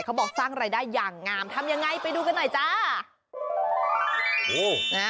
เขาบอกสร้างรายได้อย่างงามทำยังไงไปดูกันหน่อยจ้า